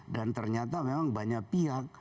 dan ternyata memang banyak pihak